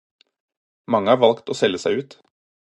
Mange har valgt å selge seg ut.